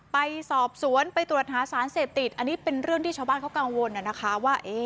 ไปสอบสวนไปตรวจหาสารเสพติดอันนี้เป็นเรื่องที่ชาวบ้านเขากังวลนะคะว่า